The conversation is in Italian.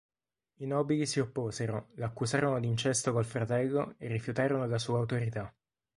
I nobili si opposero, l'accusarono d'incesto col fratello e rifiutarono la sua autorità.